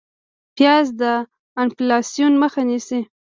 پیاز د انفلاسیون مخه نیسي